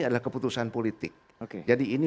adalah keputusan politik jadi ini